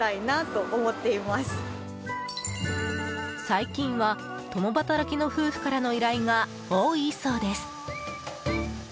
最近は共働きの夫婦からの依頼が多いそうです。